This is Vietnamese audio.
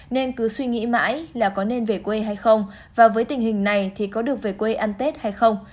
nên cứ suy nghĩ mãi là có nên về quê hay không và với tình hình này thì có được về quê ăn tết hay không